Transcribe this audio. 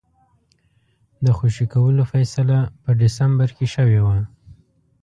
د خوشي کولو فیصله په ډسمبر کې شوې وه.